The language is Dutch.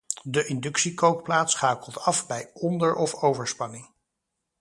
De inductiekookplaat schakelt af bij onder- of overspanning.